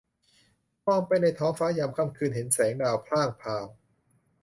มองไปในท้องฟ้ายามค่ำคืน เห็นแสงดาวพร่างพราว